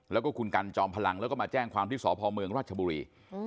แล้วก็คุณกันจอมพลังแล้วก็มาแจ้งความที่สพเมืองราชบุรี